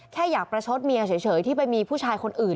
แค่อยากประชดเมียเฉยที่ไปมีผู้ชายคนอื่น